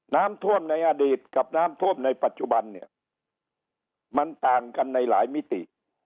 น้ำท่วมในอดีตกับน้ำท่วมในปัจจุบันเนี่ยมันต่างกันในหลายมิติ